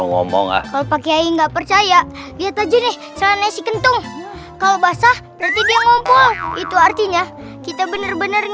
bener ngomong ngomong nggak percaya lihat aja nih kalau basah ngumpul itu artinya kita bener bener